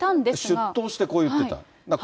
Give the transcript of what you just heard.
出頭してこう言ってた。